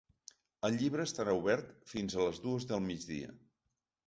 El llibre estarà obert fins a les dues del migdia.